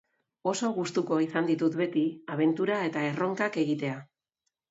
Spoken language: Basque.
Oso gustuko izan ditut beti abentura eta erronkak egitea.